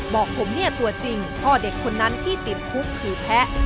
บอกผมเนี่ยตัวจริงพ่อเด็กคนนั้นที่ติดคุกคือแพ้